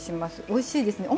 おいしいですね。